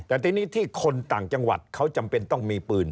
แต่ทีนี้ที่คนต่างจังหวัดเขาจำเป็นต้องมีปืน